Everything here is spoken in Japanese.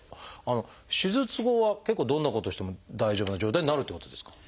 手術後は結構どんなことしても大丈夫な状態になるってことですか？